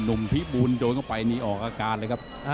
พี่บูลโดนเข้าไปนี่ออกอาการเลยครับ